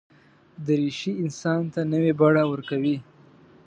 دریشي انسان ته نوې بڼه ورکوي.